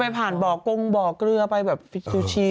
แล้วไปผ่านบ่อกกงบ่อกรือกลือไปแบบซูชี